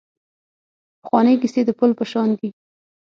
پخوانۍ کیسې د پل په شان دي .